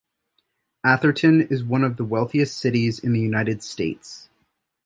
Atherton is one of the wealthiest cities in the United States.